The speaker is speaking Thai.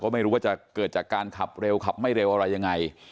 ไม่รู้ว่าจะเกิดจากการขับเร็วขับไม่เร็วอะไรยังไง